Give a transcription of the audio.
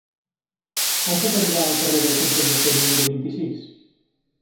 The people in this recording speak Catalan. Com puc arribar al carrer del Consell de Cent número vint-i-sis?